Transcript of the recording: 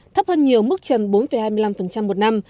thấp hơn nhiều mức trần bốn hai mươi năm một năm